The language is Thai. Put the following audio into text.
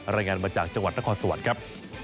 รายงานมาจากจังหวัดนครสวรรค์ครับ